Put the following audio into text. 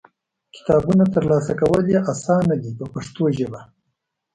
کتابونه ترلاسه کول یې اسانه دي په پښتو ژبه.